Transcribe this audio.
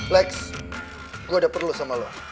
lex gue udah perlu sama lo